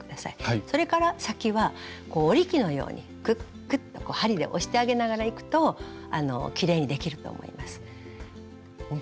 それから先は織り機のようにクックッと針で押してあげながらいくときれいにできると思います。